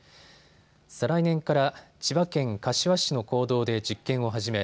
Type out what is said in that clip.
再来年から千葉県柏市の公道で実験を始め